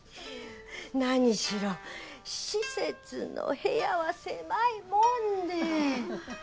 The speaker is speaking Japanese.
何しろ施設の部屋は狭いもんで。